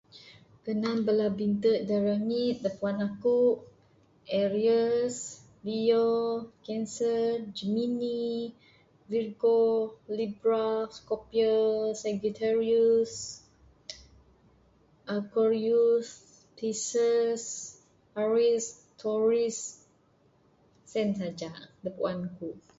Genan bala binte dak rengit dak puan aku Aries, Leo, Cancer, Gemini, Virgo, Libra, Scorpio, Sagittarius, Aquarius, Pieces, Aries, Taurus, sien saja dak puan ku.